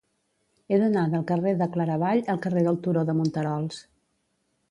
He d'anar del carrer de Claravall al carrer del Turó de Monterols.